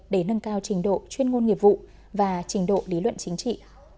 để nâng cao trình độ chuyên môn nghiệp vụ và trình độ lý luận chính trị